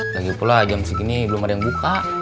lagipula jam segini belum ada yang buka